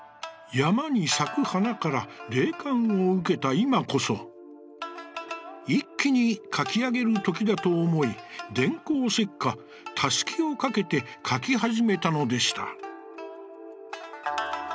「山に咲く花から霊感をうけた今こそ、一気に描きあげるときだと思い、電光石火、たすきをかけて描き始めたのでした」。